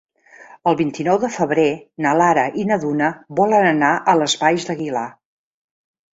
El vint-i-nou de febrer na Lara i na Duna volen anar a les Valls d'Aguilar.